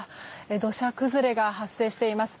土砂崩れが発生しています。